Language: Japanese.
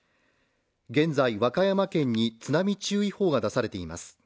現在、和歌山県に津波注意報が出されています。